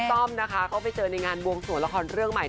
ต้อมนะคะก็ไปเจอในงานบวงสวงละครเรื่องใหม่